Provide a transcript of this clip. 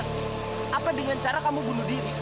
apa dengan cara kamu bunuh diri